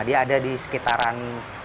dia ada di sekitaran